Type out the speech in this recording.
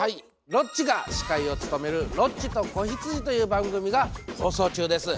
ロッチが司会を務める「ロッチと子羊」という番組が放送中です。